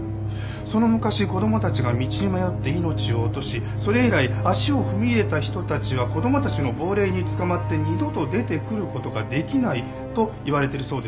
その昔子供たちが道に迷って命を落としそれ以来足を踏み入れた人たちは子供たちの亡霊に捕まって二度と出てくる事ができない。といわれてるそうです。